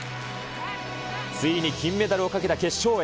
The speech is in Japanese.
ついに金メダルをかけた決勝へ。